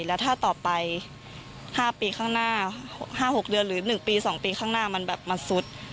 และถ้าต่อไป๕๖ปีข้างหน้าหรือ๑๒ปีข้างหน้ามันสุด